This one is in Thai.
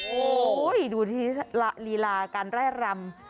โอ้ยดูที่ลีลาการร่ายรำ